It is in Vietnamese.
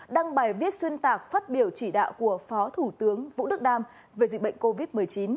đăng bài viết xuyên tạc phát biểu chỉ đạo của phó thủ tướng vũ đức đam về dịch bệnh covid một mươi chín